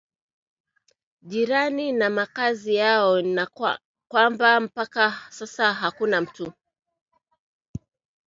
jirani na makazi yao na kwamba mpaka sasa hakuna mtu